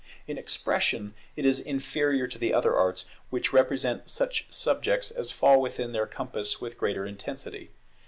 In expression it is inferior to the other arts, which represent such subjects as fall within their compass with greater intensity.